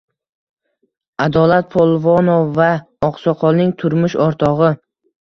Adolat Polvonova oqsoqolning turmush o`rtog`i